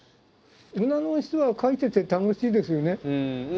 女の人は描いてて楽しいですよね。